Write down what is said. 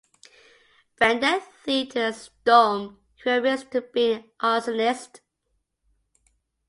Brendan threatens Dom, who admits to being the arsonist.